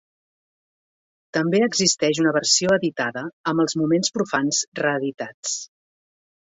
També existeix una versió editada amb els moments profans reeditats.